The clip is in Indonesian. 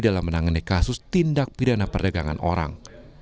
dalam menangani kasus tindak pidana perdagangan orang